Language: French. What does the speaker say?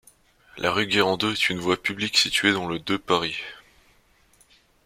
La rue Gérando est une voie publique située dans le de Paris.